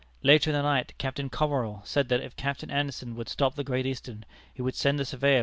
Later in the night Captain Commerill said that if Captain Anderson would stop the Great Eastern, he would send the surveyor Mr. Robinson, R.